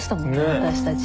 私たち。